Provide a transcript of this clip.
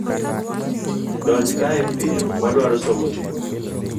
Donjkae piyo wadwaro somo tedo.